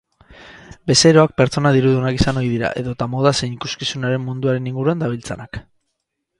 Bezeroak pertsona dirudunak izan ohi dira edota moda zein ikuskizunaren munduaren inguruan dabiltzanak.